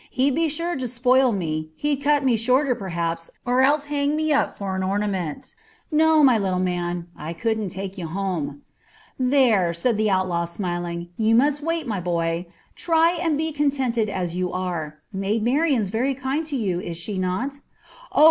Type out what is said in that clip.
"He'd be sure to spoil me. He'd cut me shorter, perhaps, or else hang me up for an ornament. No, my little man, I couldn't take you home." "There," said the outlaw, smiling; "you must wait, my boy. Try and be contented as you are. Maid Marian's very kind to you, is she not?" "Oh!